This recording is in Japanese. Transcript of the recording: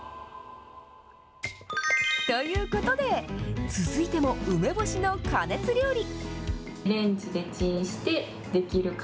ということで、続いても梅干しの加熱料理。